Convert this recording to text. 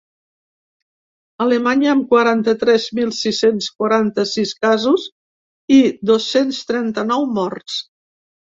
Alemanya, amb quaranta-tres mil sis-cents quaranta-sis casos i dos-cents trenta-nou morts.